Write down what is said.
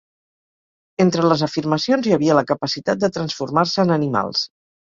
Entre les afirmacions hi havia la capacitat de transformar-se en animals.